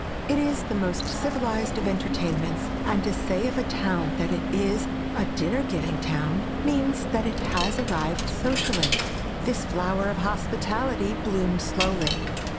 It is the most civilized of entertainments, and to say of a town that it is a dinner giving town means that it has arrived socially. This flower of hospitality blooms slowly.